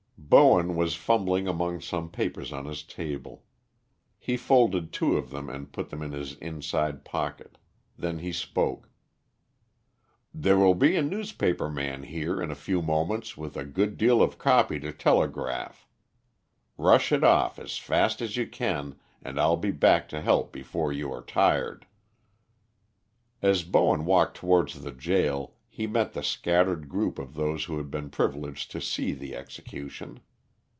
Bowen was fumbling among some papers on his table. He folded two of them and put them in his inside pocket. Then he spoke: "There will be a newspaper man here in a few moments with a good deal of copy to telegraph. Rush it off as fast as you can and I'll be back to help before you are tired." As Bowen walked towards the gaol he met the scattered group of those who had been privileged to see the execution.